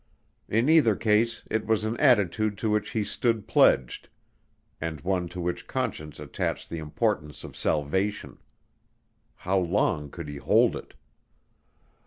In either case it was an attitude to which he stood pledged, and one to which Conscience attached the importance of salvation. How long could he hold it?